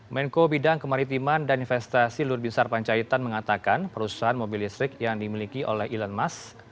menko bidang kemaritiman dan investasi luhut binsar pancaitan mengatakan perusahaan mobil listrik yang dimiliki oleh elon musk